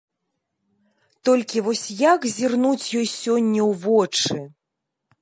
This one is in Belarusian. Толькі вось як зірнуць ёй сёння ў вочы?